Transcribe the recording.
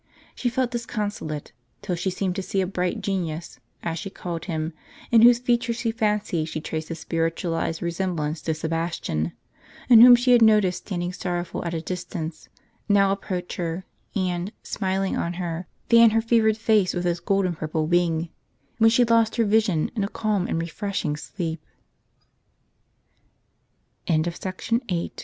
She felt disconsolate, till she seemed to see a bright genius (as she called him), in whose features she fancied she traced a spiritualized resemblance to Sebastian, and whom she had noticed standing sorrowful at a distance, now approach her, and, smiling on her, fan her fevered face with his gold and purple wing; when she lost her vision in a calm and refreshing